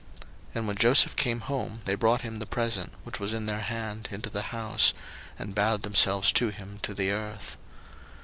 01:043:026 And when Joseph came home, they brought him the present which was in their hand into the house, and bowed themselves to him to the earth.